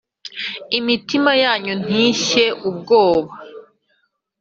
Imitima yanyu ntishye ubwoba